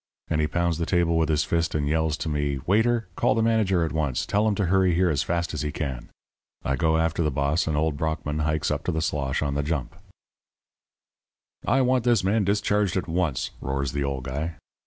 And he pounds the table with his fist and yells to me: 'Waiter, call the manager at once tell him to hurry here as fast as he can.' I go after the boss, and old Brockmann hikes up to the slosh on the jump. "'I want this man discharged at once,' roars the old guy.